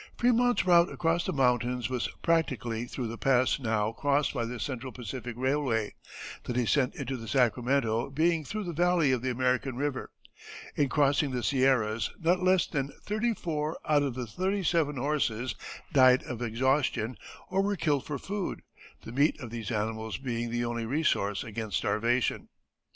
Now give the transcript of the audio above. Frémont's route across the mountains was practically through the pass now crossed by the Central Pacific Railway, the descent into the Sacramento being through the valley of the American River. In crossing the Sierras not less than thirty four out of the sixty seven horses died of exhaustion or were killed for food, the meat of these animals being the only resource against starvation.